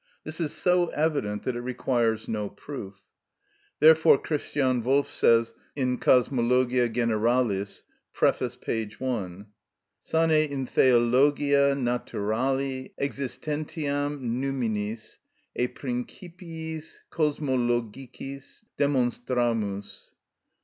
This is so evident that it requires no proof. Therefore Chr. Wolf says (Cosmologia Generalis, prœf., p. 1): _Sane in theologia naturali existentiam Numinis e principiis cosmologicis demonstramus.